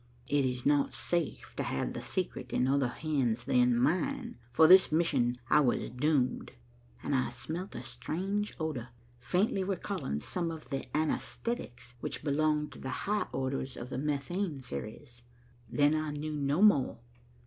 'It is not safe to have the secret in other hands than mine. For this mission was I doomed,' and I smelt a strange odor, faintly recalling some of the anaesthetics which belong to the higher orders of the methane series. Then I knew no more.